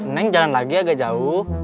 meng jalan lagi agak jauh